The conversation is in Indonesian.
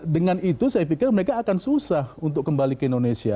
dengan itu saya pikir mereka akan susah untuk kembali ke indonesia